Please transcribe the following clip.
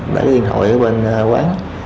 đấy điện thoại ở bên quán